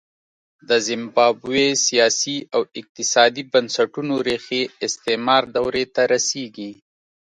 د زیمبابوې سیاسي او اقتصادي بنسټونو ریښې استعمار دورې ته رسېږي.